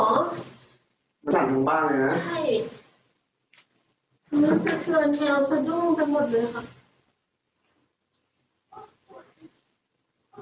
ปากปากจะเปิดปะเหมือนกับพราบต้มหินแหละไม่รับแผ่นดินไหวเหรอ